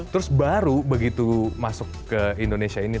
terus baru begitu masuk ke indonesia ini